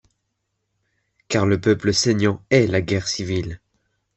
Car le peuple saignant hait la guerre civile.